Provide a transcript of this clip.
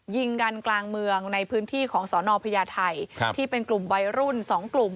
ยิงกันกลางเมืองในพื้นที่ของสอนอพญาไทยที่เป็นกลุ่มวัยรุ่นสองกลุ่ม